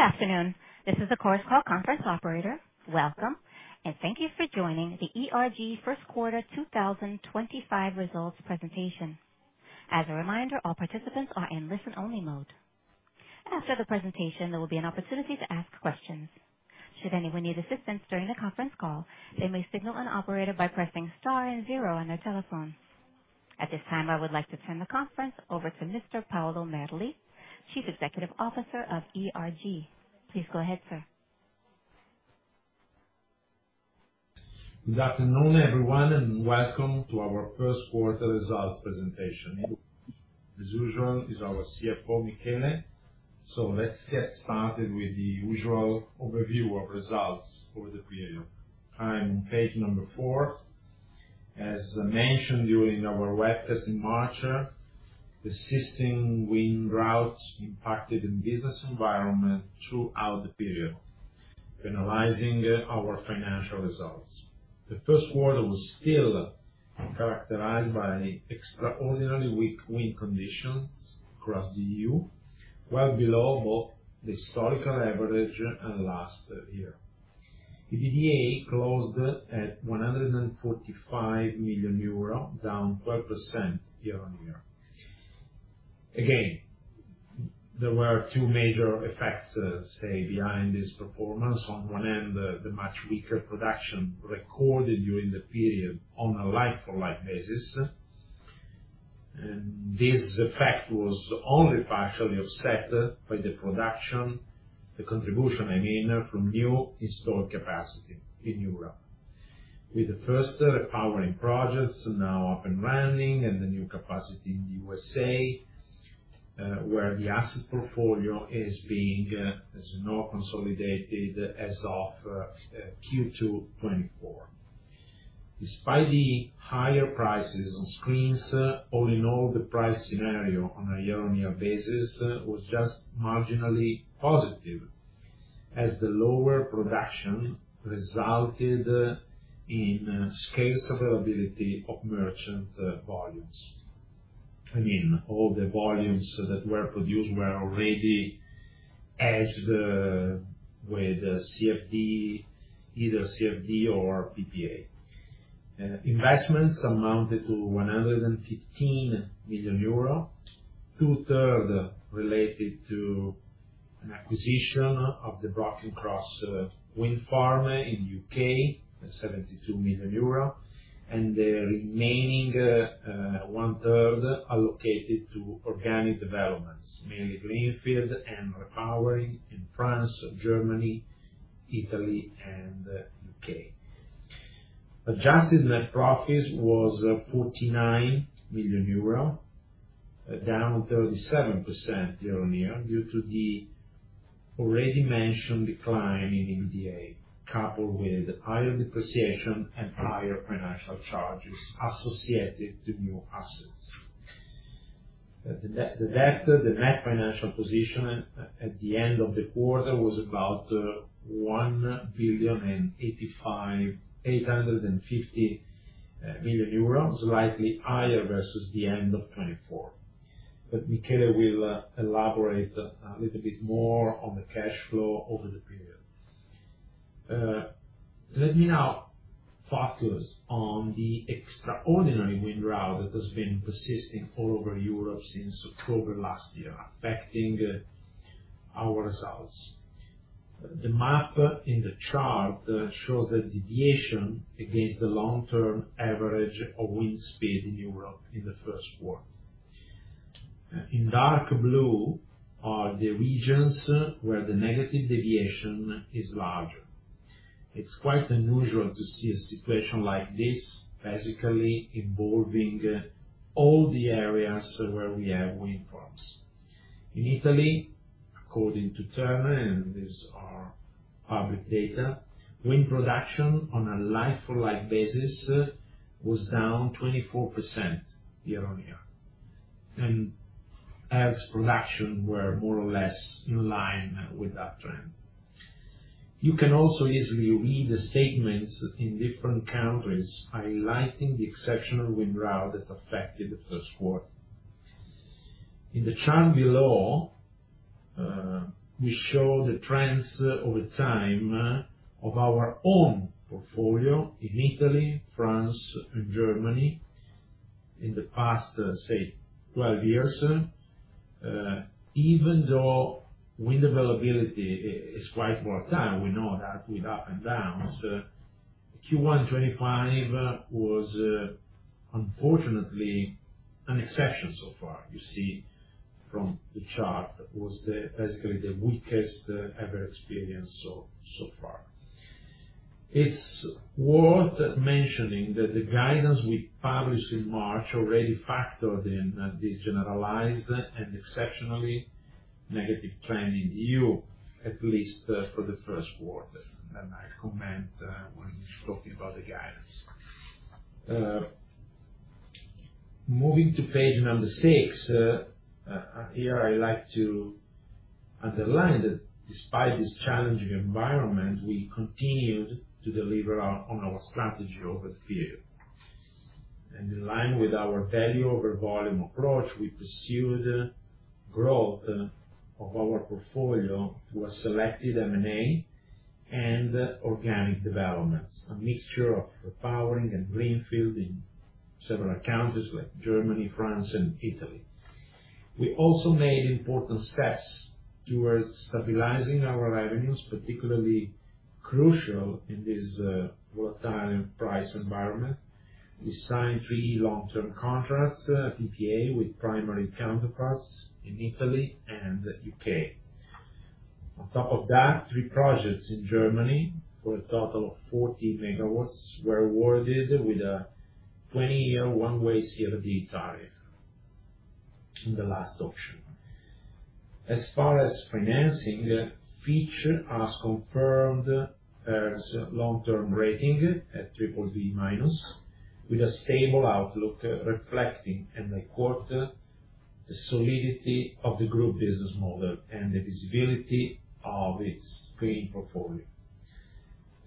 Good afternoon. This is the Chorus call conference Operator. Welcome, and thank you for joining the ERG First Quarter 2025 results presentation. As a reminder, all participants are in listen-only mode. After the presentation, there will be an opportunity to ask questions. Should anyone need assistance during the conference call, they may signal an operator by pressing star and zero on their telephone. At this time, I would like to turn the conference over to Mr. Paolo Merli, Chief Executive Officer of ERG. Please go ahead, sir. Good afternoon, everyone, and welcome to our First Quarter results presentation. As usual, it's our CFO, Michele. Let's get started with the usual overview of results over the period. I'm on page number four. As mentioned during our web test in March, the system wind routes impacted the business environment throughout the period, penalizing our financial results. The first quarter was still characterized by extraordinarily weak wind conditions across the EU, well below both the historical average and last year. The EBITDA closed at 145 million euro, down 12% year on year. Again, there were two major effects, say, behind this performance. On one end, the much weaker production recorded during the period on a like-for-like basis. This effect was only partially offset by the production, the contribution, I mean, from new historic capacity in Europe, with the first powering projects now up and running and the new capacity in the USA, where the asset portfolio is being, as you know, consolidated as of Q2 2024. Despite the higher prices on screens, all in all, the price scenario on a year-on-year basis was just marginally positive, as the lower production resulted in scarce availability of merchant volumes. I mean, all the volumes that were produced were already hedged with CFD, either CFD or PPA. Investments amounted to 115 million euro, two-thirds related to an acquisition of the Brock & Cross Wind Farm in the U.K., 72 million euro, and the remaining 1/3 allocated to organic developments, mainly greenfield and repowering in France, Germany, Italy, and the U.K. Adjusted net profit was 49 million euro, down 37% year on year due to the already mentioned decline in EBITDA, coupled with higher depreciation and higher financial charges associated to new assets. The net financial position at the end of the quarter was about 1,850,000 euros, slightly higher versus the end of 2024. Michele will elaborate a little bit more on the cash flow over the period. Let me now focus on the extraordinary wind route that has been persisting all over Europe since October last year, affecting our results. The map in the chart shows the deviation against the long-term average of wind speed in Europe in the first quarter. In dark blue are the regions where the negative deviation is larger. It's quite unusual to see a situation like this basically involving all the areas where we have wind farms. In Italy, according to Terna, and these are public data, wind production on a like-for-like basis was down 24% year on year, and ERG's production was more or less in line with that trend. You can also easily read the statements in different countries highlighting the exceptional wind drought that affected the first quarter. In the chart below, we show the trends over time of our own portfolio in Italy, France, and Germany in the past, say, 12 years. Even though wind availability is quite volatile, we know that with ups and downs, Q1 2025 was unfortunately an exception so far. You see from the chart that was basically the weakest ever experience so far. It's worth mentioning that the guidance we published in March already factored in this generalized and exceptionally negative trend in the EU, at least for the first quarter. I comment when we're talking about the guidance. Moving to page number six, here I like to underline that despite this challenging environment, we continued to deliver on our strategy over the period. In line with our value-over-volume approach, we pursued growth of our portfolio through selected M&A and organic developments, a mixture of repowering and greenfield in several countries like Germany, France, and Italy. We also made important steps towards stabilizing our revenues, particularly crucial in this volatile price environment. We signed three long-term contracts, PPA, with primary counterparts in Italy and the U.K. On top of that, three projects in Germany for a total of 40 MW were awarded with a 20-year one-way CFD tariff in the last auction. As far as financing, Fitch has confirmed its long-term rating at BBB- with a stable outlook reflecting and recording the solidity of the group business model and the visibility of its green portfolio.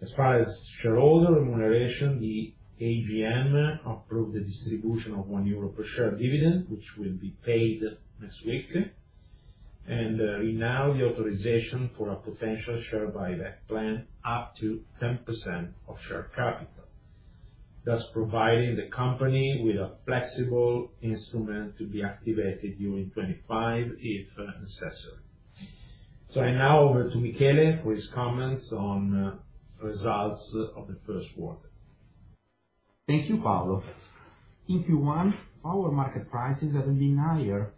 As far as shareholder remuneration, the AGM approved the distribution of 1 euro per share dividend, which will be paid next week, and renewed the authorization for a potential share buyback plan up to 10% of share capital, thus providing the company with a flexible instrument to be activated during 2025 if necessary. I now over to Michele for his comments on results of the first quarter. Thank you, Paolo. In Q1, our market prices had been higher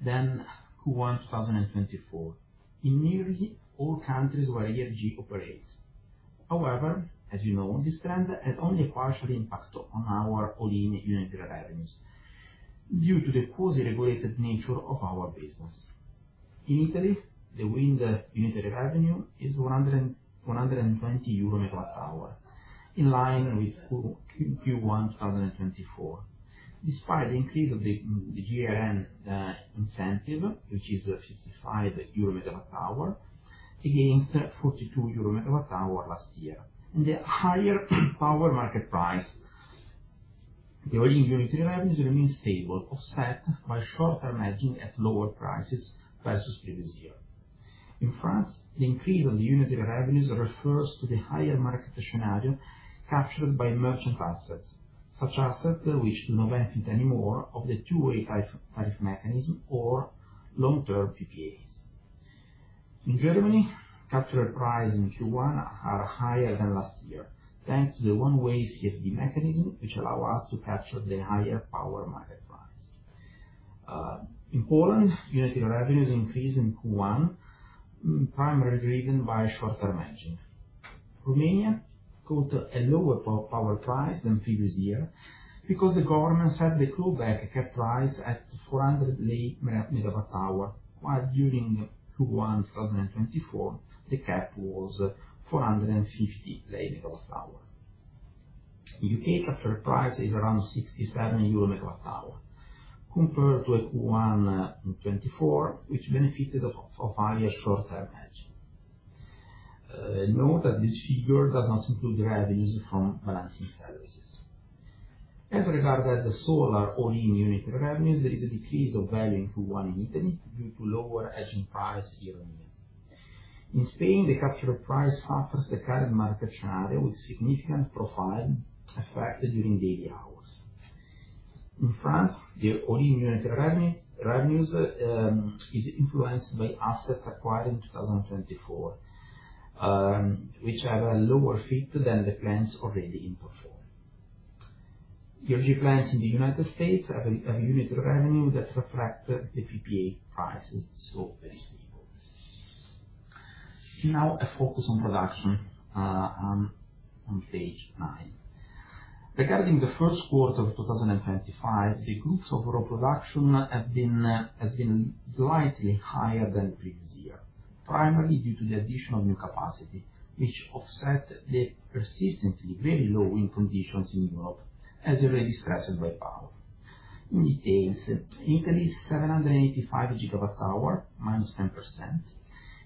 than Q1 2024 in nearly all countries where ERG operates. However, as you know, this trend had only a partial impact on our all-in unitary revenues due to the closely regulated nature of our business. In Italy, the wind unitary revenue is 120 euro per MWh, in line with Q1 2024, despite the increase of the GRN incentive, which is 55 euro per MWh, against 42 euro per MWh last year. The higher power market price, the all-in unitary revenues remain stable, offset by shorter margin at lower prices versus previous year. In France, the increase of the unitary revenues refers to the higher market scenario captured by merchant assets, such assets which do not benefit anymore from the two-way tariff mechanism or long-term PPAs. In Germany, capture prices in Q1 are higher than last year, thanks to the one-way CFD mechanism, which allows us to capture the higher power market price. In Poland, unitary revenues increase in Q1, primarily driven by shorter margin. Romania quoted a lower power price than previous year because the government set the quote-back cap price at EUR 400 per MWh, while during Q1 2024, the cap was 450 per MWh. In the U.K., capture price is around 67 euro per MWh, compared to Q1 2024, which benefited of higher shorter margin. Note that this figure does not include revenues from balancing services. As regarded to solar all-in unitary revenues, there is a decrease of value in Q1 in Italy due to lower hedging price year on year. In Spain, the capture price suffers the current market scenario with significant profile effect during daily hours. In France, the all-in unitary revenues are influenced by assets acquired in 2024, which have a lower fit than the plans already in portfolio. ERG plans in the United States have unitary revenue that reflect the PPA prices, so they're stable. Now, a focus on production on page nine. Regarding the first quarter of 2025, the group's overall production has been slightly higher than previous year, primarily due to the addition of new capacity, which offset the persistently very low wind conditions in Europe, as already stressed by Paolo. In detail, Italy's 785 GWh, -10%,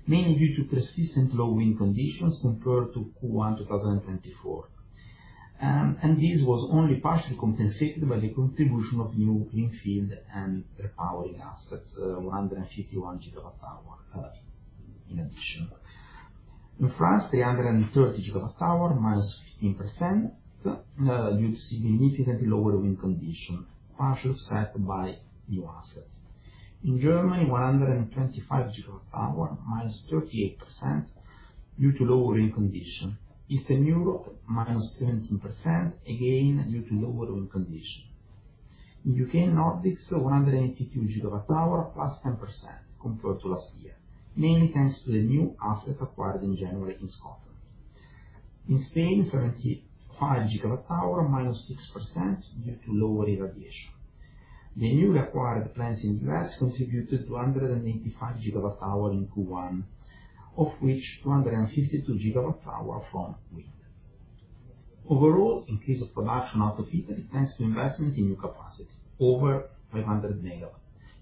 mainly due to persistent low wind conditions compared to Q1 2024. This was only partially compensated by the contribution of new greenfield and repowering assets, 151 GWh in addition. In France, 330 GWh, -15%, due to significantly lower wind conditions, partially offset by new assets. In Germany, 125 GWh, -38%, due to lower wind conditions. Eastern Europe, -17%, again due to lower wind conditions. In U.K. and Nordics, 182 GWh, +10%, compared to last year, mainly thanks to the new asset acquired in January in Scotland. In Spain, 75 GWh, -6%, due to lower irradiation. The newly acquired plants in the US contributed 285 GWh in Q1, of which 252 GWh from wind. Overall, increase of production out of Italy thanks to investment in new capacity, over 500 MW,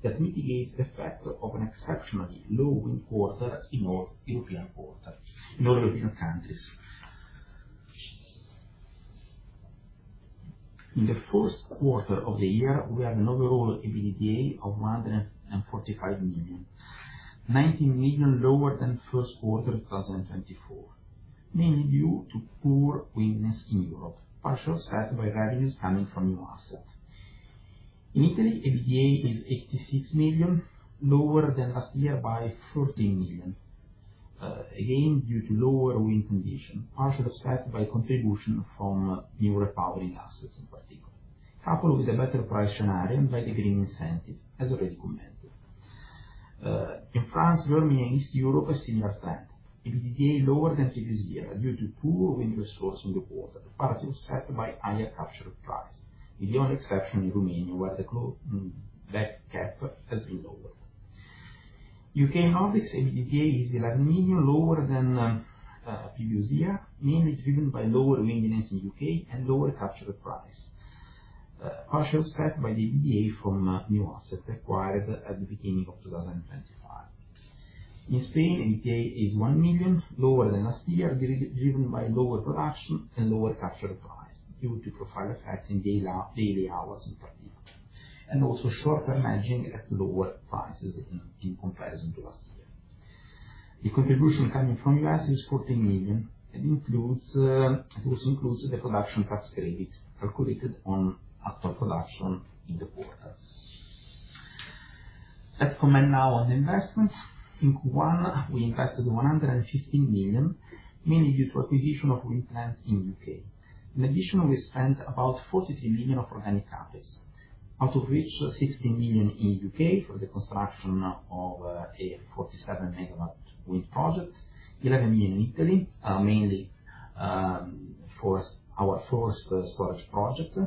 that mitigates the effect of an exceptionally low wind quarter in all European countries. In the first quarter of the year, we had an overall EBITDA of 145 million, 19 million lower than first quarter 2024, mainly due to poor windness in Europe, partially offset by revenues coming from new assets. In Italy, EBITDA is 86 million, lower than last year by 14 million, again due to lower wind conditions, partially offset by contribution from new repowering assets, in particular, coupled with a better price scenario and by the green incentive, as already commented. In France, Germany, and East Europe, a similar trend. EBITDA lower than previous year due to poor wind resources in the quarter, partially offset by higher capture price, with the only exception in Romania, where the back cap has been lowered. U.K. and Nordics, EBITDA is EUR 11 million lower than previous year, mainly driven by lower windness in the U.K. and lower capture price, partially offset by the EBITDA from new assets acquired at the beginning of 2025. In Spain, EBITDA is 1 million, lower than last year, driven by lower production and lower capture price due to profile effects in daily hours, in particular, and also shorter margin at lower prices in comparison to last year. The contribution coming from U.S. is 14 million and also includes the production tax credit calculated on actual production in the quarter. Let's comment now on the investments. In Q1, we invested 115 million, mainly due to acquisition of wind plants in the U.K. In addition, we spent about 43 million of organic capital, out of which 16 million in the U.K. for the construction of a 47 MW wind project, 11 million in Italy, mainly for our Forest Storage Project,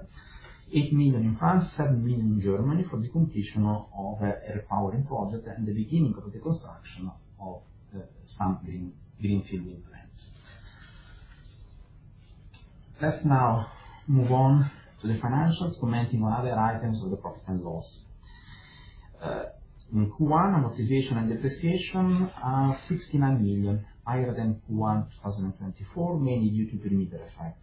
8 million in France, 7 million in Germany for the completion of a repowering project and the beginning of the construction of some greenfield wind plants. Let's now move on to the financials, commenting on other items of the profit and loss. In Q1, amortization and depreciation are 69 million, higher than Q1 2024, mainly due to perimeter effect.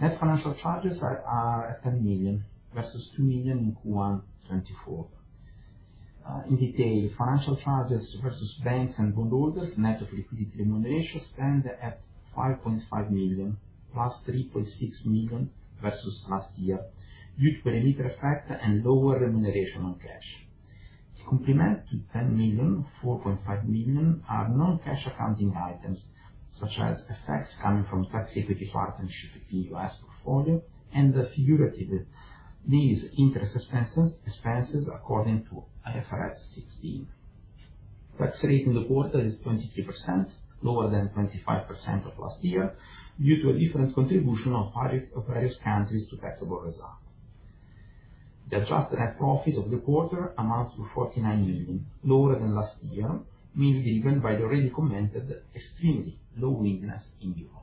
Net financial charges are 10 million versus 2 million in Q1 2024. In detail, financial charges versus banks and bondholders, net of liquidity remuneration, stand at 5.5 million, plus 3.6 million versus last year, due to perimeter effect and lower remuneration on cash. To complement, of the 10 million, 4.5 million are non-cash accounting items, such as effects coming from tax equity partnership in U.S. portfolio and figurative lease interest expenses according to IFRS 16. Tax rate in the quarter is 23%, lower than 25% of last year, due to a different contribution of various countries to taxable result. The adjusted net profit of the quarter amounts to 49 million, lower than last year, mainly driven by the already commented extremely low windness in Europe.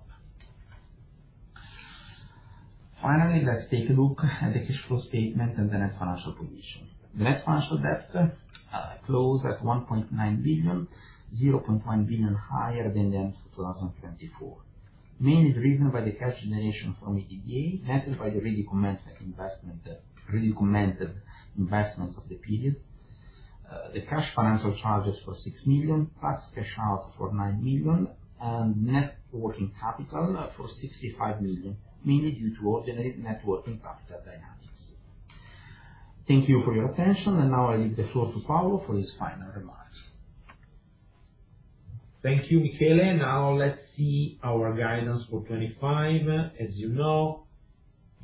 Finally, let's take a look at the cash flow statement and the net financial position. The net financial debt closed at 1.9 billion, 0.1 billion higher than the end of 2024, mainly driven by the cash generation from EBITDA, netted by the recommended investments of the period. The cash financial charges for 6 million, tax cash out for 9 million, and networking capital for 65 million, mainly due to ordinary networking capital dynamics. Thank you for your attention. Now I leave the floor to Paolo for his final remarks. Thank you, Michele. Now let's see our guidance for 2025. As you know,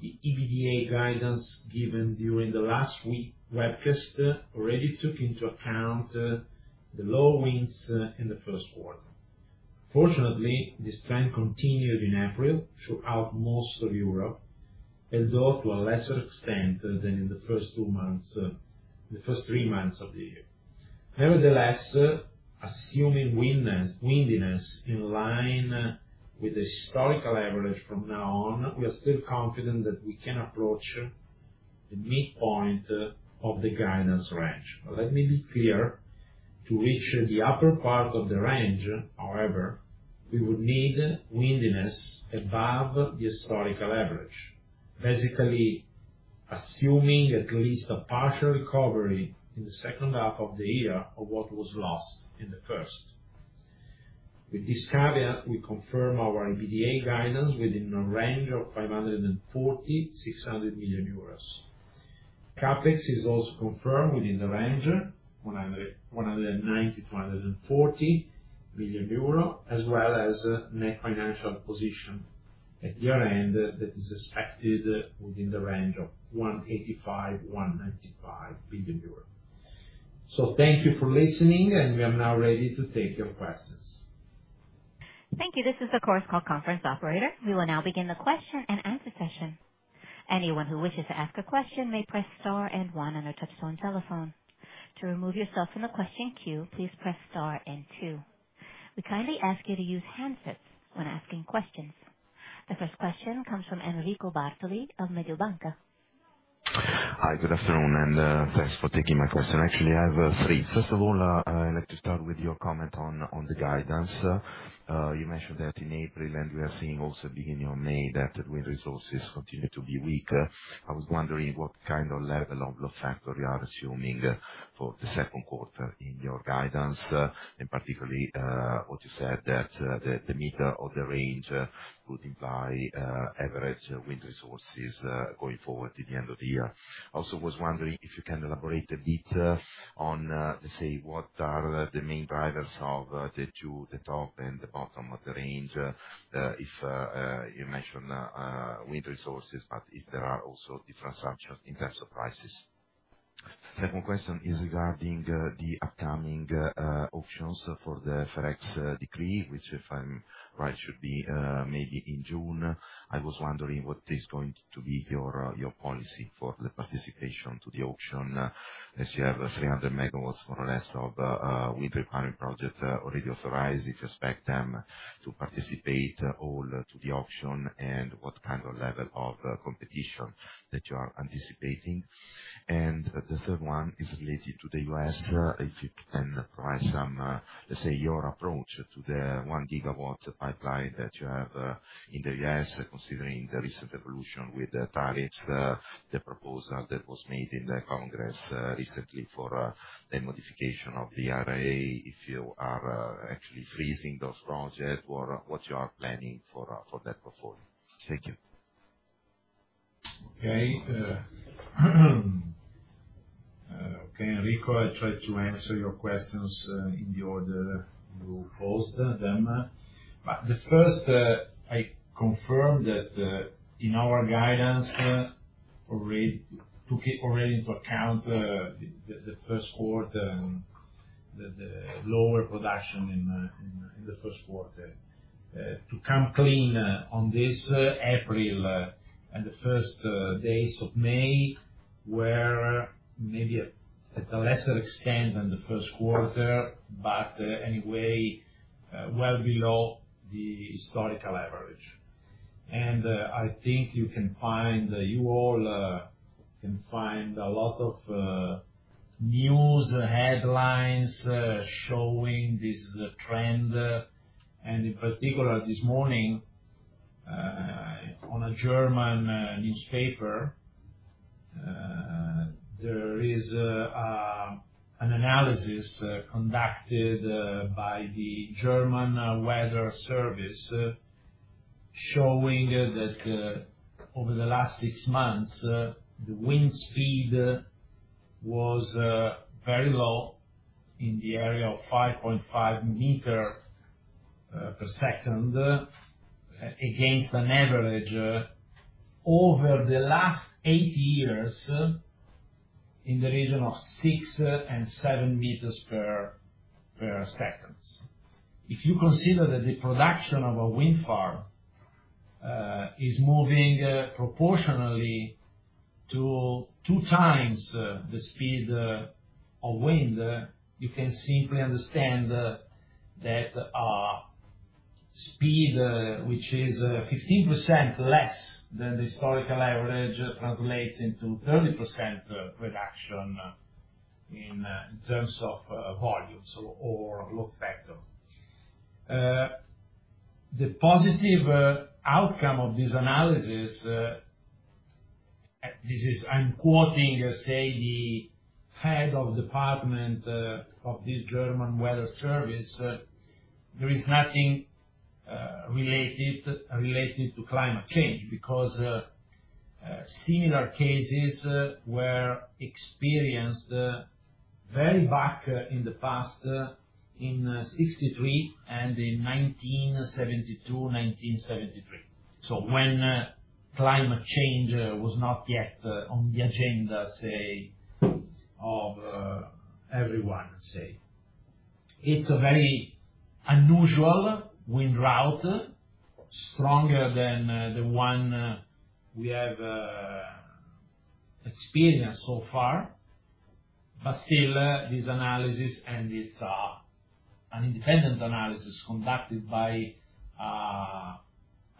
the EBITDA guidance given during the last week webcast already took into account the low winds in the first quarter. Fortunately, this trend continued in April throughout most of Europe, although to a lesser extent than in the first three months of the year. Nevertheless, assuming windiness in line with the historical average from now on, we are still confident that we can approach the midpoint of the guidance range. Let me be clear, to reach the upper part of the range, however, we would need windiness above the historical average, basically assuming at least a partial recovery in the second half of the year of what was lost in the first. With this caveat, we confirm our EBITDA guidance within the range of 540 million-600 million euros. CapEx is also confirmed within the range, 190 million-240 million euros, as well as net financial position at year-end that is expected within the range of 1.85 billion-1.95 billion euros. So, thank you for listening, and we are now ready to take your questions. Thank you. This is the course call conference operator. We will now begin the question and answer session. Anyone who wishes to ask a question may press star and one on their touchstone telephone. To remove yourself from the question queue, please press star and two. We kindly ask you to use handsets when asking questions. The first question comes from Enrico Bartoli of Mediobanca. Hi, good afternoon, and thanks for taking my question. Actually, I have three. First of all, I'd like to start with your comment on the guidance. You mentioned that in April, and we are seeing also beginning of May that the wind resources continue to be weak. I was wondering what kind of level of load factor you are assuming for the second quarter in your guidance, and particularly what you said that the middle of the range would imply average wind resources going forward to the end of the year. I also was wondering if you can elaborate a bit on, let's say, what are the main drivers of the two, the top and the bottom of the range, if you mentioned wind resources, but if there are also different subjects in terms of prices. Second question is regarding the upcoming auctions for the FERIX decree, which, if I'm right, should be maybe in June. I was wondering what is going to be your policy for the participation to the auction, as you have 300 MW more or less of wind repowering project already authorized, if you expect them to participate all to the auction, and what kind of level of competition that you are anticipating. The third one is related to the U.S. If you can provide some, let's say, your approach to the one gigawatt pipeline that you have in the U.S., considering the recent evolution with tariffs, the proposal that was made in the Congress recently for the modification of the RIA, if you are actually freezing those projects, or what you are planning for that portfolio. Thank you. Okay. Okay, Enrico, I tried to answer your questions in the order you posed them. The first, I confirm that in our guidance, already took it already into account the first quarter, the lower production in the first quarter. To come clean on this, April and the first days of May were maybe at a lesser extent than the first quarter, but anyway, well below the historical average. I think you can find, you all can find a lot of news headlines showing this trend. In particular, this morning, on a German newspaper, there is an analysis conducted by the German Weather Service showing that over the last six months, the wind speed was very low in the area of 5.5 meters per second against an average over the last eight years in the region of six and seven meters per second. If you consider that the production of a wind farm is moving proportionally to two times the speed of wind, you can simply understand that speed, which is 15% less than the historical average, translates into 30% reduction in terms of volumes or load factor. The positive outcome of this analysis, this is I'm quoting, say, the head of department of this German Weather Service, there is nothing related to climate change because similar cases were experienced very back in the past in 1963 and in 1972, 1973. When climate change was not yet on the agenda, say, of everyone, say. It is a very unusual wind route, stronger than the one we have experienced so far. Still, this analysis, and it's an independent analysis conducted by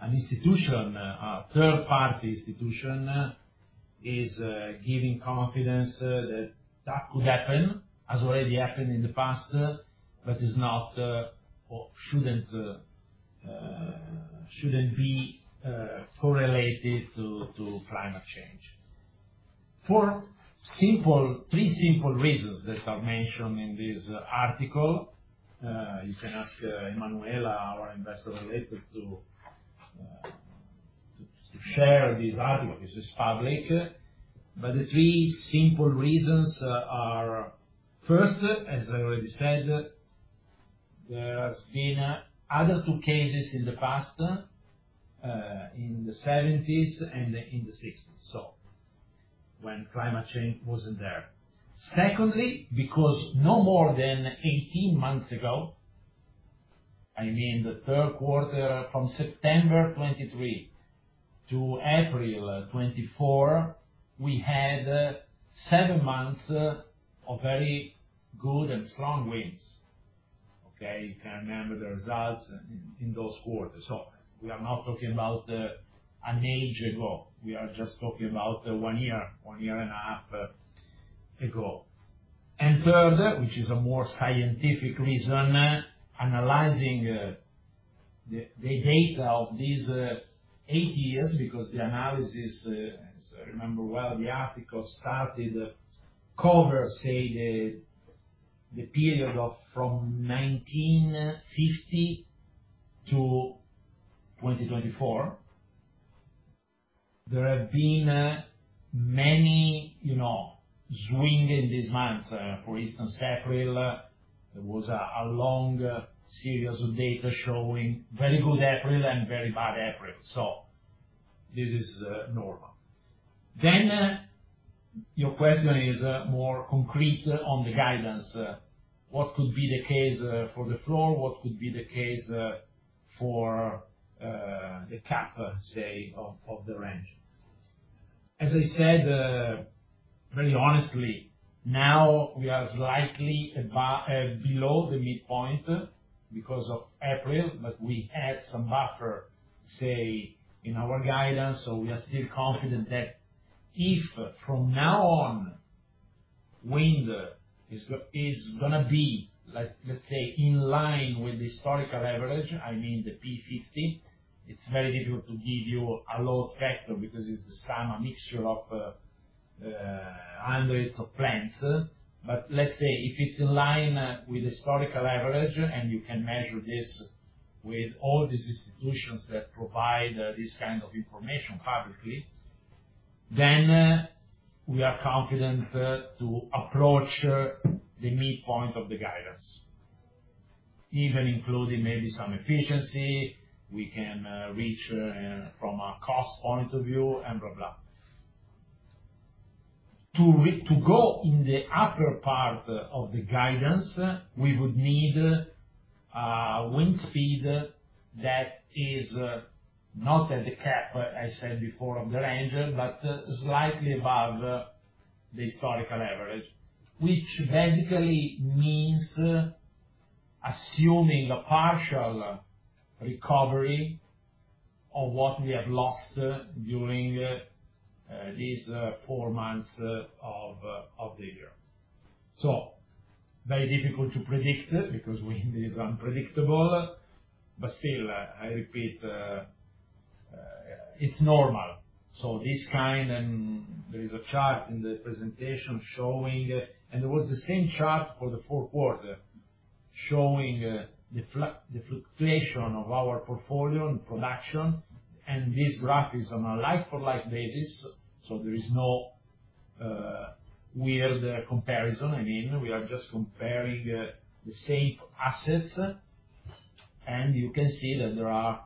an institution, a third-party institution, is giving confidence that that could happen, has already happened in the past, but is not or shouldn't be correlated to climate change. For three simple reasons that are mentioned in this article, you can ask Emanuela, our investor related to share this article because it's public. The three simple reasons are, first, as I already said, there have been other two cases in the past, in the 1970s and in the 1960s, so when climate change wasn't there. Secondly, because no more than 18 months ago, I mean the third quarter from September 2023-April 2024, we had seven months of very good and strong winds. Okay, you can remember the results in those quarters. We are not talking about an age ago. We are just talking about one year, one year and a half ago. Third, which is a more scientific reason, analyzing the data of these eight years because the analysis, as I remember well, the article started to cover, say, the period from 1950-2024. There have been many swings in these months. For instance, April, there was a long series of data showing very good April and very bad April. This is normal. Your question is more concrete on the guidance. What could be the case for the floor? What could be the case for the cap, say, of the range? As I said, very honestly, now we are slightly below the midpoint because of April, but we have some buffer, say, in our guidance. We are still confident that if from now on, wind is going to be, let's say, in line with the historical average, I mean the P50, it's very difficult to give you a load factor because it's the sum of mixture of hundreds of plants. But let's say if it's in line with the historical average, and you can measure this with all these institutions that provide this kind of information publicly, then we are confident to approach the midpoint of the guidance, even including maybe some efficiency we can reach from a cost point of view and blah, blah. To go in the upper part of the guidance, we would need a wind speed that is not at the cap, I said before, of the range, but slightly above the historical average, which basically means assuming a partial recovery of what we have lost during these four months of the year. Very difficult to predict because wind is unpredictable. Still, I repeat, it's normal. This kind, and there is a chart in the presentation showing, and it was the same chart for the fourth quarter showing the fluctuation of our portfolio and production. This graph is on a like-for-like basis. There is no weird comparison. I mean, we are just comparing the same assets, and you can see that there are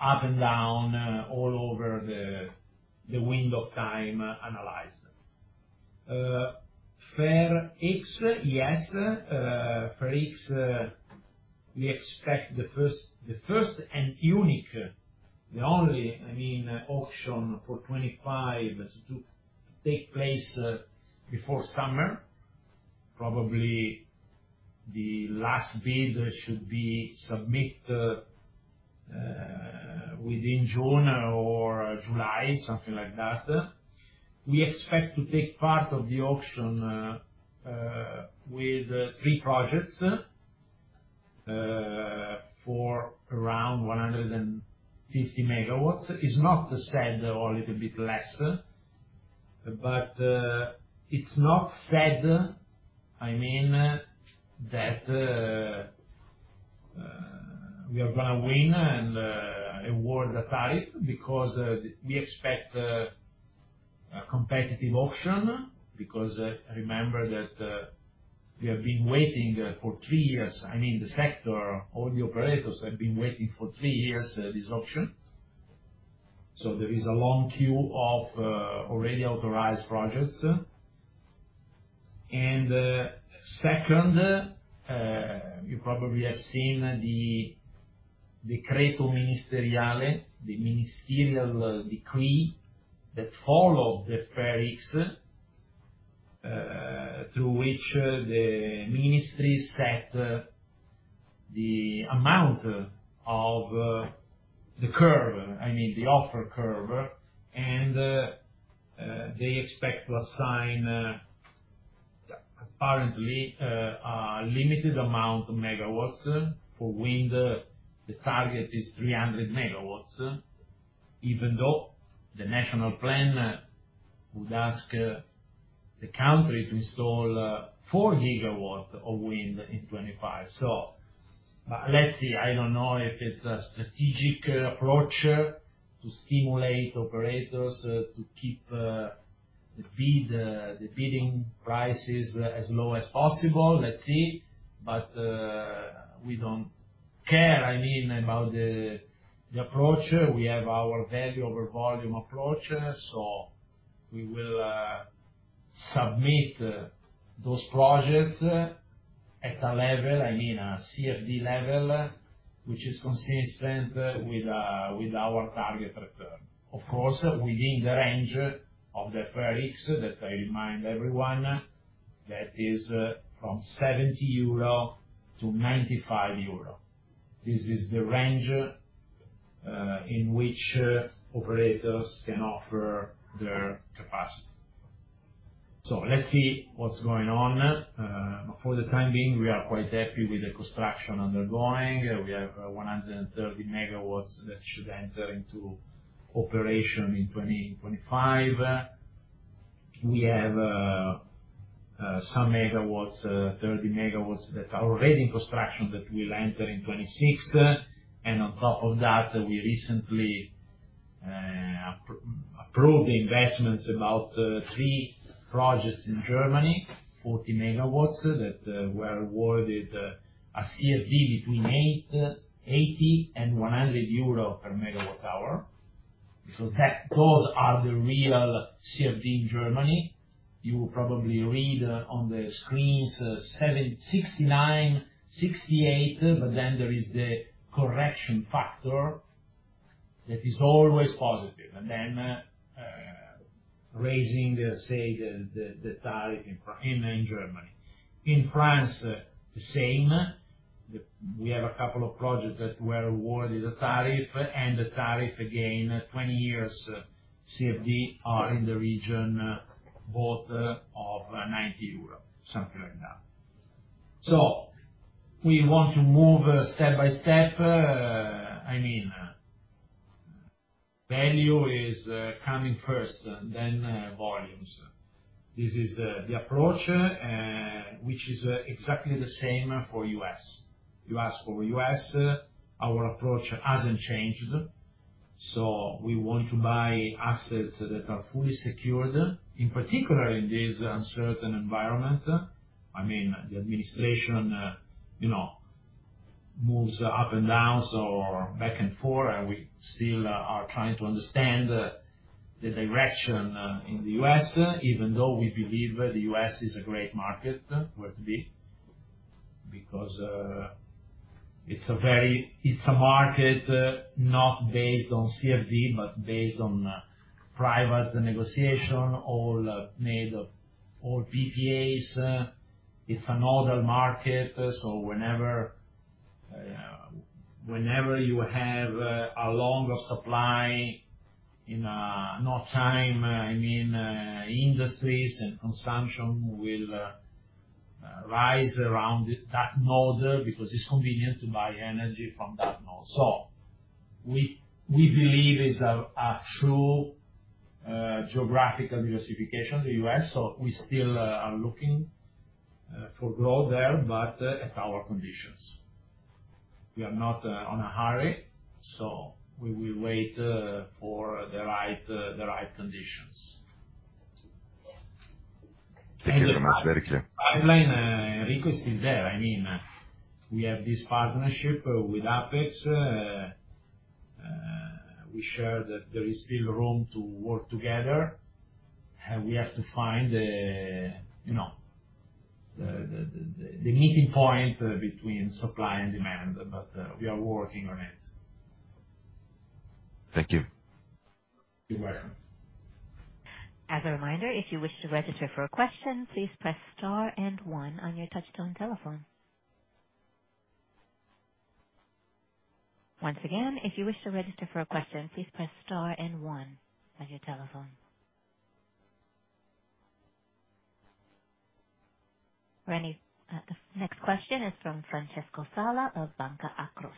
up and down all over the wind of time analyzed. FERIX, yes. FERIX, we expect the first and unique, the only, I mean, auction for 2025 to take place before summer. Probably the last bid should be submitted within June or July, something like that. We expect to take part of the auction with three projects for around 150 MW. It's not said a little bit less, but it's not said, I mean, that we are going to win and award the tariff because we expect a competitive auction because remember that we have been waiting for three years. I mean, the sector, all the operators have been waiting for three years this auction. There is a long queue of already authorized projects. Second, you probably have seen the Decreto Ministeriale, the ministerial decree that followed the FERIX through which the ministry set the amount of the curve, I mean, the offer curve. They expect to assign, apparently, a limited amount of megawatts for wind. The target is 300 MW, even though the national plan would ask the country to install 4 GW of wind in 2025. Let's see. I don't know if it's a strategic approach to stimulate operators to keep the bidding prices as low as possible. Let's see. We don't care, I mean, about the approach. We have our value over volume approach. We will submit those projects at a level, I mean, a CFD level, which is consistent with our target return. Of course, within the range of the FERIX that I remind everyone is from 70-95 euro. This is the range in which operators can offer their capacity. Let's see what's going on. For the time being, we are quite happy with the construction undergoing. We have 130 MW that should enter into operation in 2025. We have some MW, 30 MW that are already in construction that will enter in 2026. On top of that, we recently approved investments about three projects in Germany, 40 MW that were awarded a CFD between 80 and 100 euro per MWh. Those are the real CFD in Germany. You will probably read on the screens 69, 68, but then there is the correction factor that is always positive, raising, say, the tariff in Germany. In France, the same. We have a couple of projects that were awarded a tariff, and the tariff, again, 20 years CFD are in the region both of 90 euro, something like that. We want to move step by step. I mean, value is coming first, then volumes. This is the approach, which is exactly the same for U.S. You ask for U.S., our approach hasn't changed. We want to buy assets that are fully secured, in particular in this uncertain environment. I mean, the administration moves up and down or back and forth, and we still are trying to understand the direction in the U.S., even though we believe the U.S. is a great market where to be because it's a market not based on CFD, but based on private negotiation, all made of all PPAs. It's a nodal market. Whenever you have a longer supply in no time, I mean, industries and consumption will rise around that nodal because it's convenient to buy energy from that nodal. We believe it's a true geographical diversification, the U.S. We still are looking for growth there, but at our conditions. We are not in a hurry, so we will wait for the right conditions. Thank you very much. Pipeline, Enrico is still there. I mean, we have this partnership with Apex. We share that there is still room to work together. We have to find the meeting point between supply and demand, but we are working on it. Thank you. You're welcome. As a reminder, if you wish to register for a question, please press star and one on your touchstone telephone. Once again, if you wish to register for a question, please press star and one on your telephone. The next question is from Francisco Sala of Banca Akros.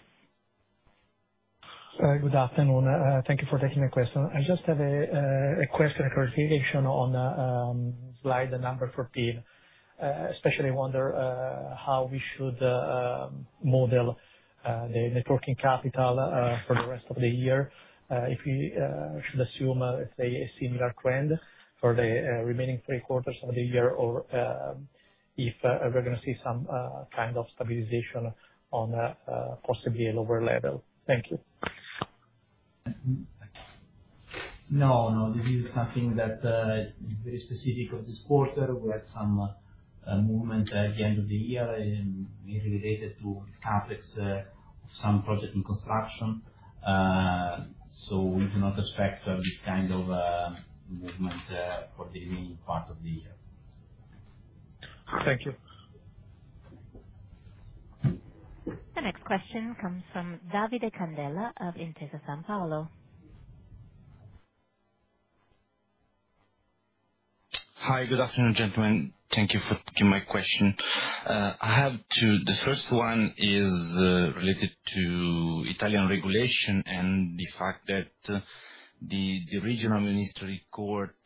Good afternoon. Thank you for taking the question. I just have a question and clarification on slide number 14, especially I wonder how we should model the networking capital for the rest of the year. If we should assume a similar trend for the remaining three quarters of the year or if we're going to see some kind of stabilization on possibly a lower level. Thank you. No, no. This is something that is very specific of this quarter. We had some movement at the end of the year related to the CapEx of some project in construction. So we do not expect to have this kind of movement for the remaining part of the year. Thank you. The next question comes from Davide Candela of Intesa Sanpaolo. Hi, good afternoon, gentlemen. Thank you for taking my question. The first one is related to Italian regulation and the fact that the regional ministry court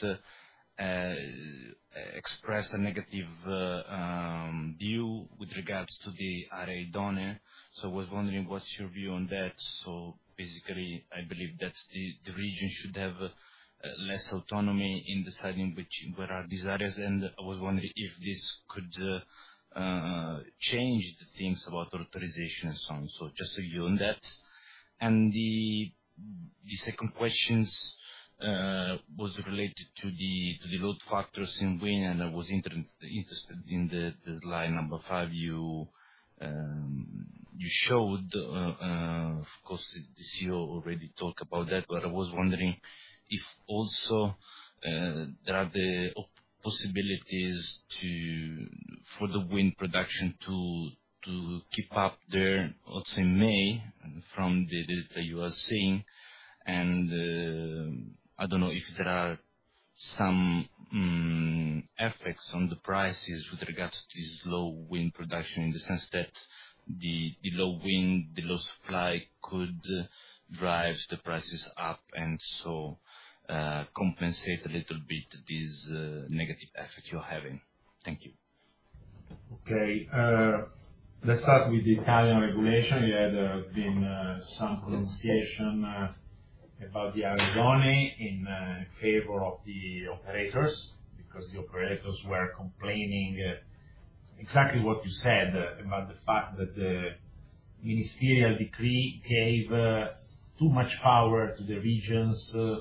expressed a negative view with regards to the area done. So I was wondering what's your view on that. Basically, I believe that the region should have less autonomy in deciding where are these areas. I was wondering if this could change the things about authorization and so on. Just a view on that. The second question was related to the load factors in wind, and I was interested in the slide number five you showed. Of course, the CEO already talked about that, but I was wondering if also there are the possibilities for the wind production to keep up there, let's say, May from the data you are seeing. I do not know if there are some effects on the prices with regards to this low wind production in the sense that the low wind, the low supply could drive the prices up and so compensate a little bit this negative effect you are having. Thank you. Okay. Let's start with the Italian regulation. You had been some pronunciation about the Arizona in favor of the operators because the operators were complaining exactly what you said about the fact that the ministerial decree gave too much power to the regions to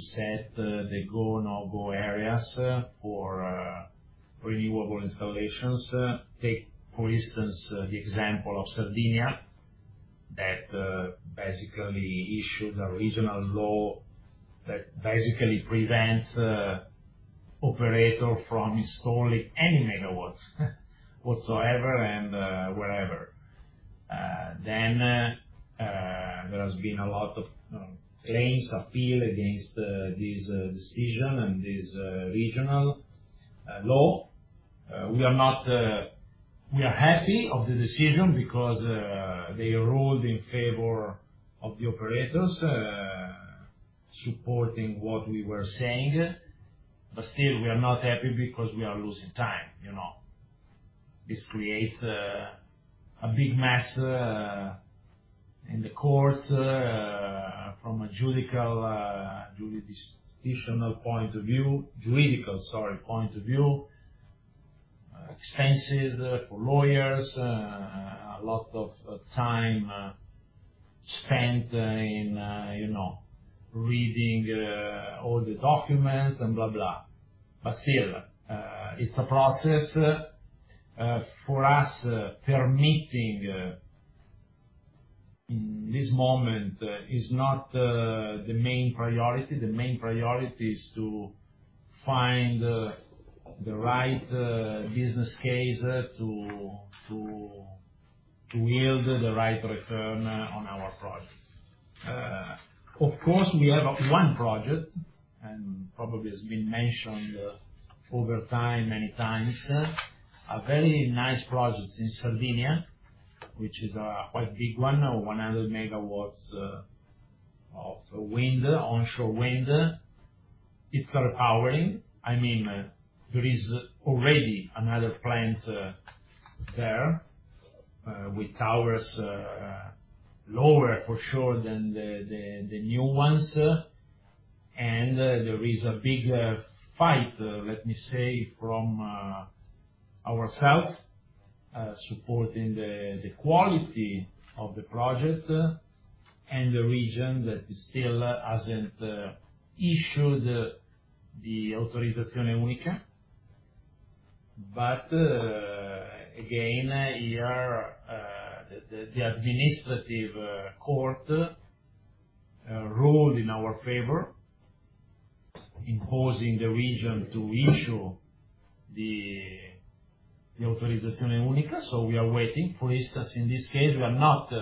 set the go/no-go areas for renewable installations. Take, for instance, the example of Sardinia that basically issued a regional law that basically prevents operators from installing any megawatts whatsoever and wherever. There has been a lot of claims appeal against this decision and this regional law. We are happy of the decision because they ruled in favor of the operators supporting what we were saying. We are not happy because we are losing time. This creates a big mess in the courts from a judicial point of view, juridical, sorry, point of view, expenses for lawyers, a lot of time spent in reading all the documents and blah, blah. Still, it's a process for us. Permitting in this moment is not the main priority. The main priority is to find the right business case to yield the right return on our project. Of course, we have one project and probably has been mentioned over time many times, a very nice project in Sardinia, which is a quite big one, 100 MW of onshore wind. It's powering. I mean, there is already another plant there with towers lower for sure than the new ones. There is a big fight, let me say, from ourselves supporting the quality of the project and the region that still hasn't issued the authorizazione unica. Again, the administrative court ruled in our favor imposing the region to issue the authorizazione unica. We are waiting, for instance, in this case, we are not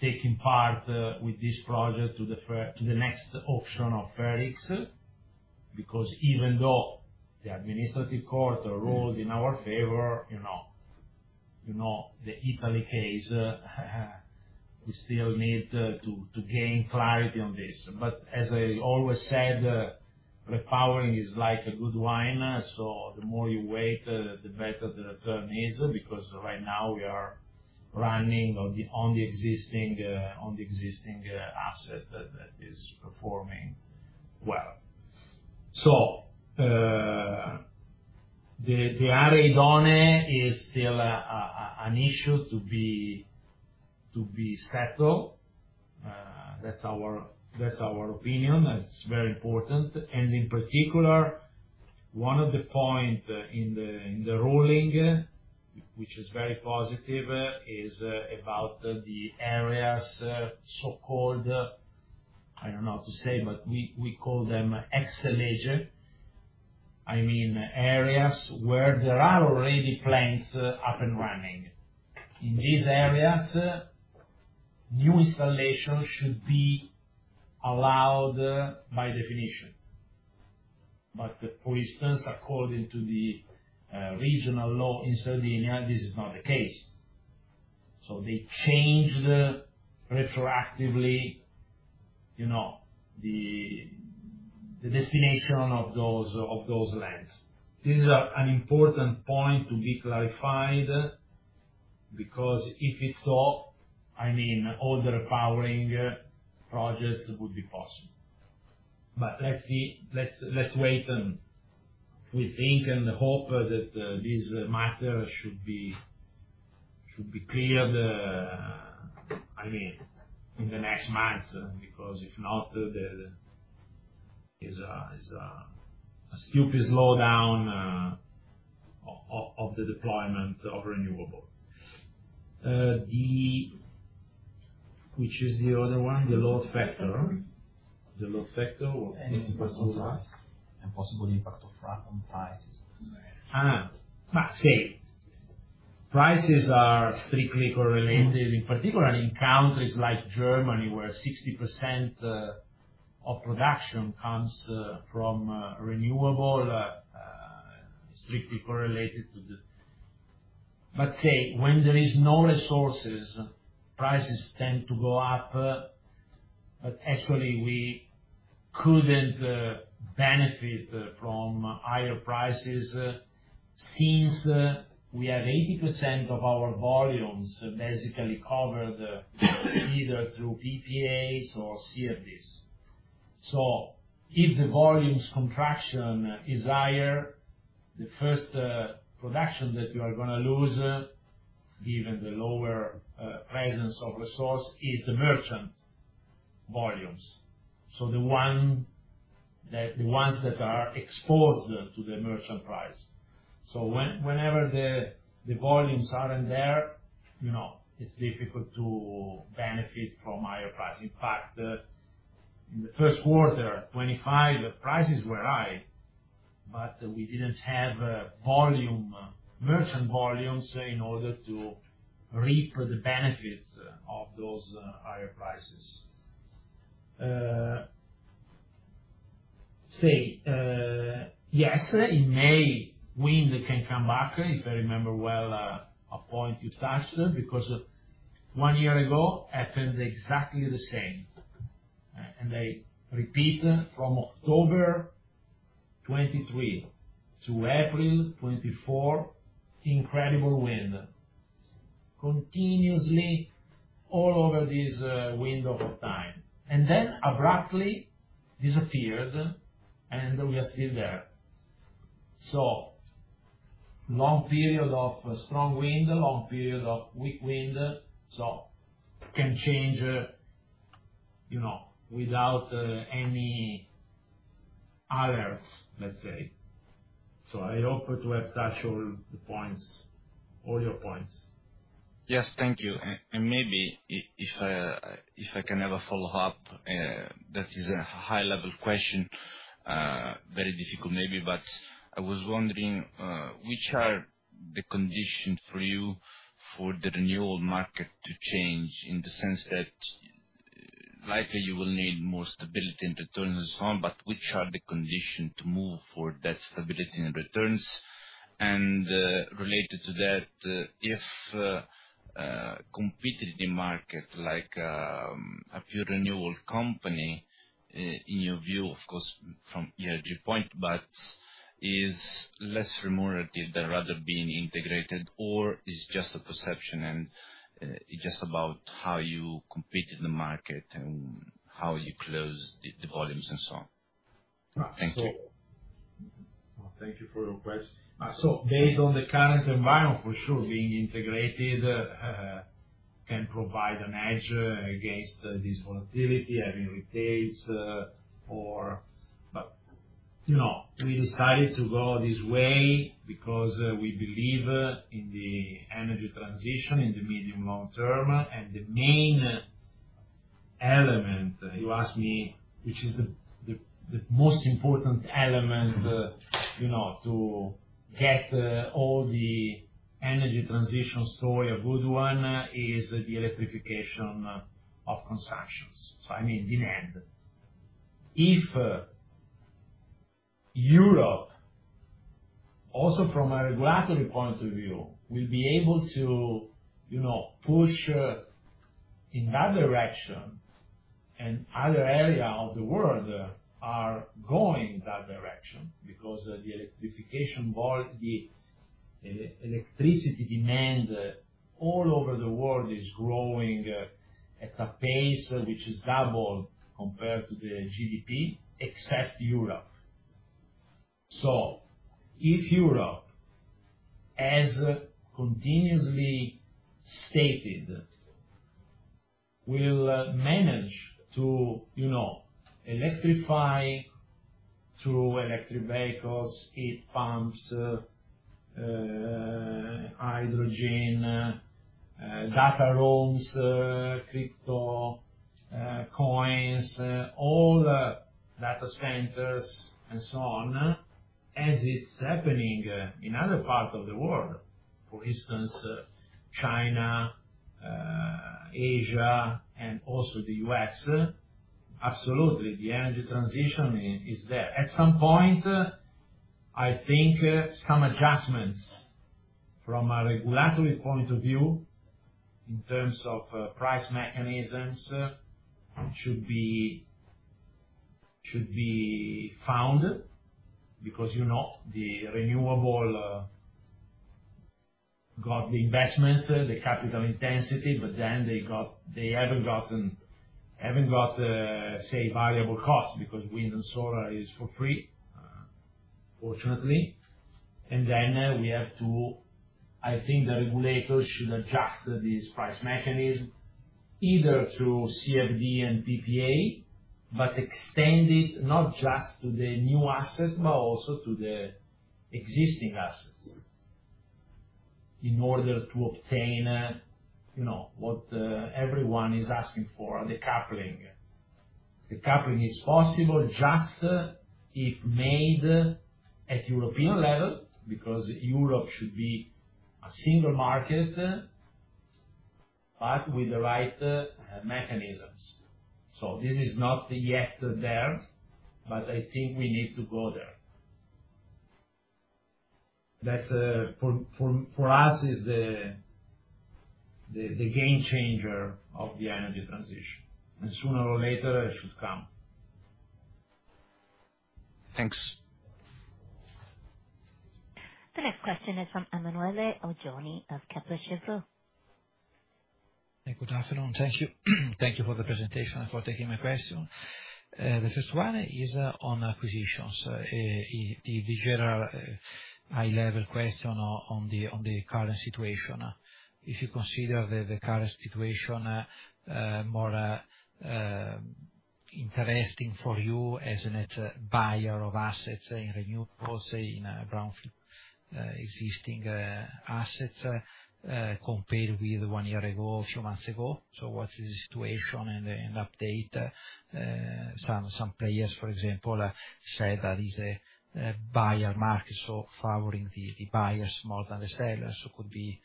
taking part with this project to the next auction of FERIX because even though the administrative court ruled in our favor in the Italy case, we still need to gain clarity on this. As I always said, repowering is like a good wine. The more you wait, the better the return is because right now we are running on the existing asset that is performing well. The area done is still an issue to be settled. That is our opinion. It is very important. In particular, one of the points in the ruling, which is very positive, is about the areas so-called, I do not know how to say, but we call them excellage. I mean, areas where there are already plants up and running. In these areas, new installations should be allowed by definition. But for instance, according to the regional law in Sardinia, this is not the case. They changed retroactively the destination of those lands. This is an important point to be clarified because if it's all, I mean, all the powering projects would be possible. Let's wait and we think and hope that this matter should be cleared, I mean, in the next months because if not, there is a stupid slowdown of the deployment of renewable. Which is the other one? The load factor. The load factor. And possible impact on prices. Prices are strictly correlated, in particular in countries like Germany where 60% of production comes from renewable, strictly correlated to the. Say when there are no resources, prices tend to go up. Actually, we couldn't benefit from higher prices since we have 80% of our volumes basically covered either through PPAs or CFDs. If the volume's contraction is higher, the first production that you are going to lose, given the lower presence of resource, is the merchant volumes. The ones that are exposed to the merchant price. Whenever the volumes aren't there, it's difficult to benefit from higher pricing. In fact, in the first quarter 2025, prices were high, but we didn't have merchant volumes in order to reap the benefits of those higher prices. Yes, in May, wind can come back, if I remember well, a point you touched because one year ago happened exactly the same. I repeat, from October 2023-April 2024, incredible wind. Continuously all over this window of time. Then abruptly disappeared, and we are still there. Long period of strong wind, long period of weak wind. Can change without any alerts, let's say. I hope to have touched all your points. Yes, thank you. Maybe if I can ever follow up, that is a high-level question, very difficult maybe, but I was wondering which are the conditions for you for the renewal market to change in the sense that likely you will need more stability in returns and so on, but which are the conditions to move for that stability in returns? Related to that, if a competing market like a pure renewal company in your view, of course, from ERG point, but is less remunerative than rather being integrated, or is it just a perception and just about how you compete in the market and how you close the volumes and so on? Thank you. Thank you for your question. Based on the current environment, for sure, being integrated can provide an edge against this volatility having retails. We decided to go this way because we believe in the energy transition in the medium-long term. The main element you asked me, which is the most important element to get all the energy transition story a good one, is the electrification of consumptions. I mean, the end. If Europe, also from a regulatory point of view, will be able to push in that direction and other areas of the world are going in that direction because the electricity demand all over the world is growing at a pace which is double compared to the GDP, except Europe. If Europe, as continuously stated, will manage to electrify through electric vehicles, heat pumps, hydrogen, data rooms, crypto coins, all data centers, and so on, as it is happening in other parts of the world, for instance, China, Asia, and also the U.S., absolutely, the energy transition is there. At some point, I think some adjustments from a regulatory point of view in terms of price mechanisms should be found because the renewable got the investments, the capital intensity, but then they haven't got, say, variable costs because wind and solar is for free, fortunately. We have to, I think the regulator should adjust this price mechanism either through CFD and PPA, but extend it not just to the new asset, but also to the existing assets in order to obtain what everyone is asking for, the coupling. The coupling is possible just if made at European level because Europe should be a single market, but with the right mechanisms. This is not yet there, but I think we need to go there. That for us is the game changer of the energy transition. Sooner or later, it should come. Thanks. The next question is from Emanuele Oggioni of Kepler Cheuvreux. Good afternoon. Thank you. Thank you for the presentation and for taking my question. The first one is on acquisitions. The general high-level question on the current situation. If you consider the current situation more interesting for you as a buyer of assets in renewables, in brownfield existing assets compared with one year ago, a few months ago, what is the situation and update? Some players, for example, said that it is a buyer market, so favoring the buyers more than the sellers, so could be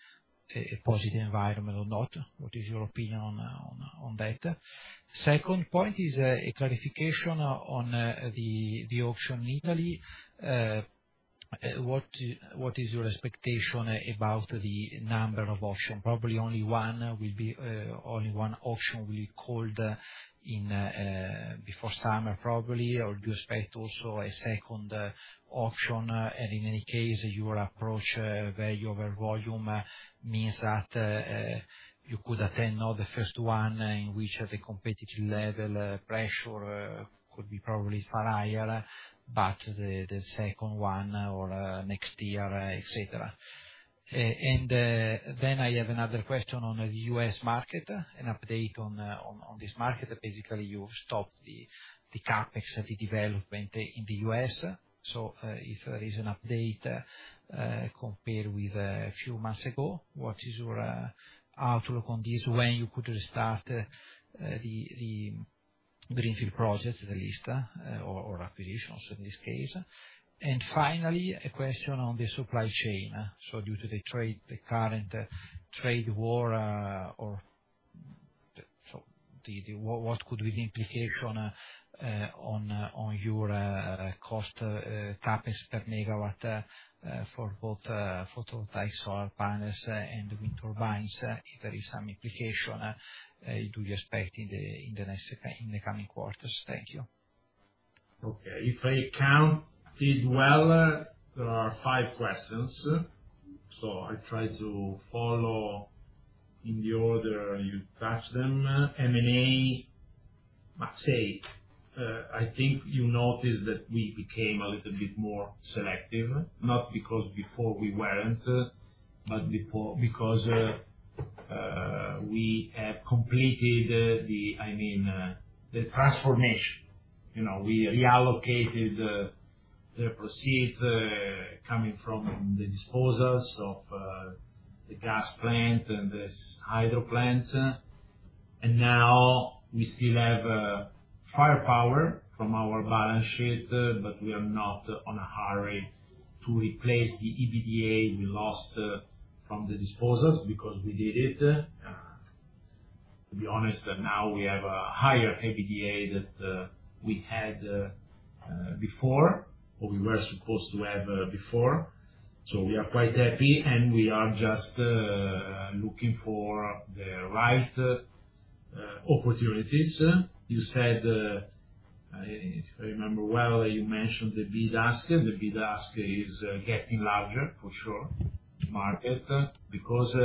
a positive environment or not? What is your opinion on that? Second point is a clarification on the auction in Italy. What is your expectation about the number of auctions? Probably only one auction will be called before summer, probably, or do you expect also a second auction? In any case, your approach, value over volume, means that you could attend the first one in which the competitive level pressure could be probably higher, but the second one or next year, etc. I have another question on the U.S. market, an update on this market. Basically, you've stopped the CapEx, the development in the US. If there is an update compared with a few months ago, what is your outlook on this, when you could restart the greenfield project, the list, or acquisitions in this case? Finally, a question on the supply chain. Due to the current trade war, what could be the implication on your cost, CapEx per megawatt for both photovoltaics, solar panels, and wind turbines? If there is some implication, do you expect it in the coming quarters? Thank you. Okay. If I counted well, there are five questions. I tried to follow in the order you touched them. M&A, I think you noticed that we became a little bit more selective, not because before we weren't, but because we have completed the, I mean, the transformation. We reallocated the proceeds coming from the disposals of the gas plant and the hydro plant. Now we still have firepower from our balance sheet, but we are not in a hurry to replace the EBITDA we lost from the disposals because we did it. To be honest, now we have a higher EBITDA than we had before or we were supposed to have before. We are quite happy, and we are just looking for the right opportunities. You said, if I remember well, you mentioned the bid-ask and the bid-ask is getting larger, for sure, market, because,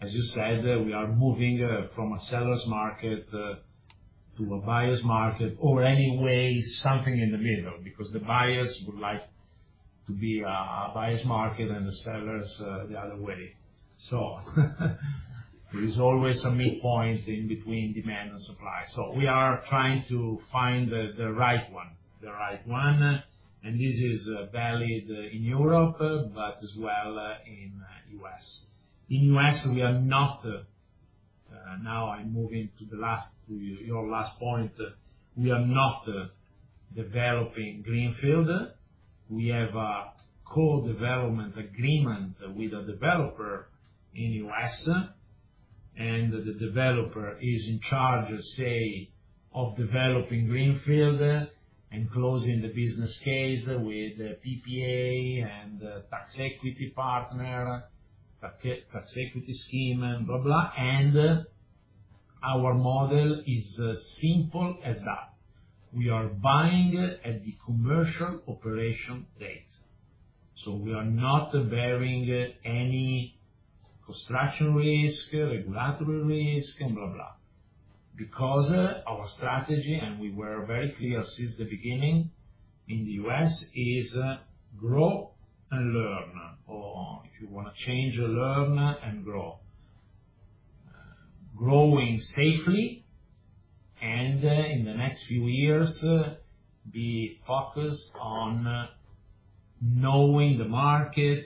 as you said, we are moving from a seller's market to a buyer's market or anyway, something in the middle because the buyers would like to be a buyer's market and the sellers the other way. There is always a midpoint in between demand and supply. We are trying to find the right one, the right one, and this is valid in Europe, but as well in the U.S. In the U.S., we are not now, I'm moving to your last point. We are not developing greenfield. We have a co-development agreement with a developer in the U.S., and the developer is in charge, say, of developing greenfield and closing the business case with PPA and tax equity partner, tax equity scheme, and blah, blah, blah. And our model is as simple as that. We are buying at the commercial operation date. We are not bearing any construction risk, regulatory risk, and blah, blah, blah because our strategy, and we were very clear since the beginning in the U.S., is grow and learn, or if you want to change or learn and grow. Growing safely and in the next few years, be focused on knowing the market,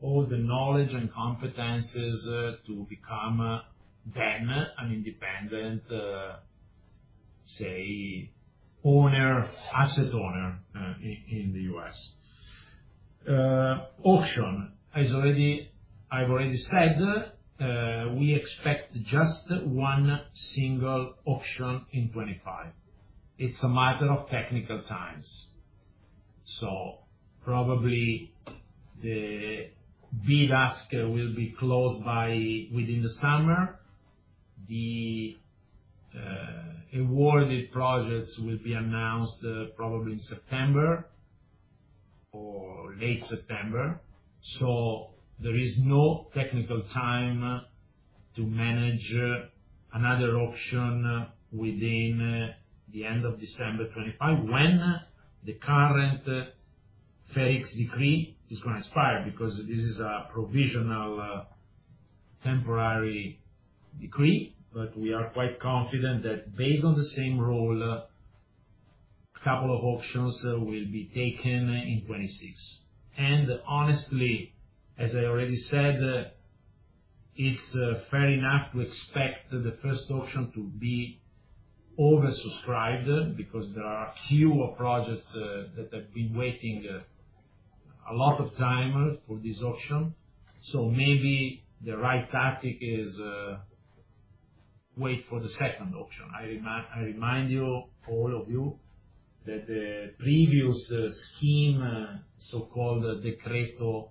all the knowledge and competencies to become then an independent, say, asset owner in the US. Auction, I've already said, we expect just one single auction in 2025. It's a matter of technical times. Probably the bid-ask will be closed within the summer. The awarded projects will be announced probably in September or late September. There is no technical time to manage another auction within the end of December 2025 when the current FERIX decree is going to expire because this is a provisional temporary decree. We are quite confident that based on the same rule, a couple of auctions will be taken in 2026. Honestly, as I already said, it's fair enough to expect the first auction to be oversubscribed because there are a few projects that have been waiting a lot of time for this auction. Maybe the right tactic is to wait for the second auction. I remind all of you that the previous scheme, so-called Decreto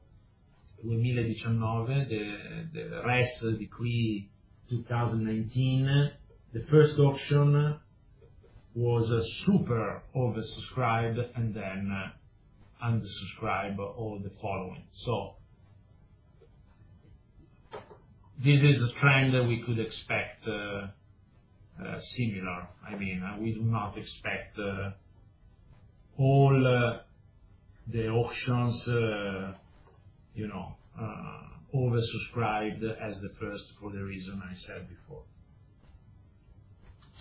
2019, the RES Decree 2019, the first auction was super oversubscribed and then undersubscribed all the following. This is a trend we could expect similar. I mean, we do not expect all the auctions oversubscribed as the first for the reason I said before.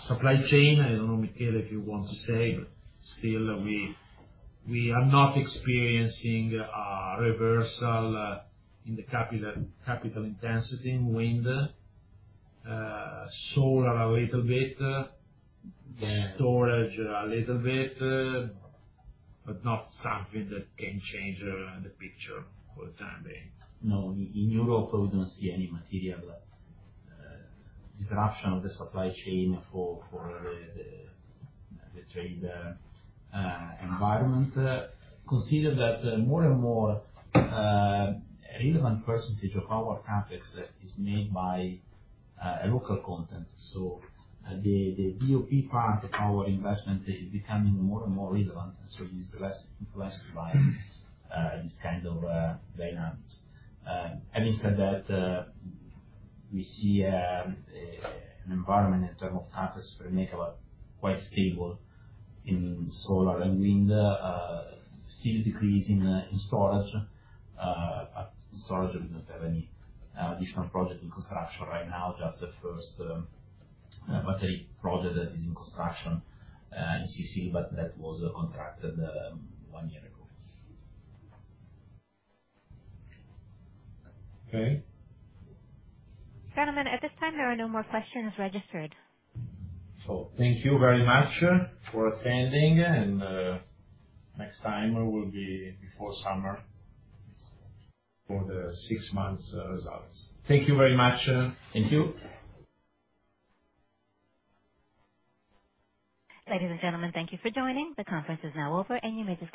Supply chain, I don't know, Michele, if you want to say, but still, we are not experiencing a reversal in the capital intensity in wind, solar a little bit, storage a little bit, but not something that can change the picture for the time being. No, in Europe, we don't see any material disruption of the supply chain for the trade environment. Consider that more and more relevant percentage of our CapEx is made by local content. So the DOP part of our investment is becoming more and more relevant, and so it is less influenced by this kind of dynamics. Having said that, we see an environment in terms of CapEx per megawatt quite stable in solar and wind, still decreasing in storage, but in storage, we do not have any additional projects in construction right now, just the first battery project that is in construction in CC, but that was contracted one year ago. Okay. Gentlemen, at this time, there are no more questions registered. Thank you very much for attending, and next time will be before summer for the six months' results. Thank you very much. Thank you. Ladies and gentlemen, thank you for joining. The conference is now over, and you may disconnect.